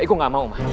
aku gak mau ma